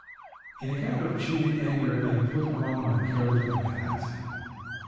In a kind of chilly anger I put on my coat and hat.